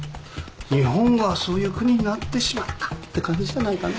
日本がそういう国になってしまったって感じじゃないかな？